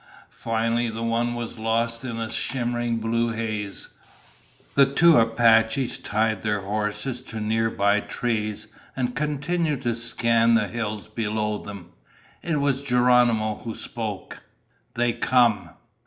Finally the one was lost in a shimmering blue haze. The two Apaches tied their horses to nearby trees and continued to scan the hills below them. It was Geronimo who spoke. "They come."